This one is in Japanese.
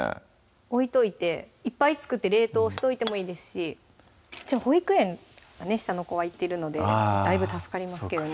置いといていっぱい作って冷凍しといてもいいですしうちは保育園下の子は行ってるのでだいぶ助かりますけどね